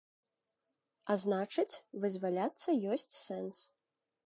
А значыць, вызваляцца ёсць сэнс.